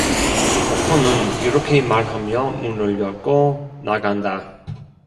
덕호는 이렇게 말하며 문을 열고 나간다.